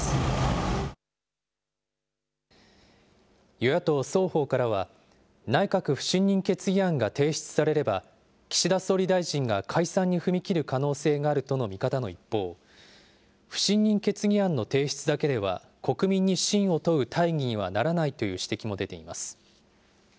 与野党双方からは、内閣不信任決議案が提出されれば、岸田総理大臣が解散に踏み切る可能性があるとの見方の一方、不信任決議案の提出だけでは、国民に信を問う大義にはならないという指摘も出ています。